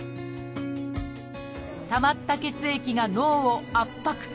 たまった血液が脳を圧迫。